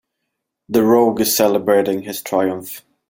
The rogue is celebrating his triumph.